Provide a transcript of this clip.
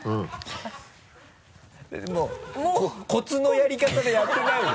もうコツのやり方でやってないもん。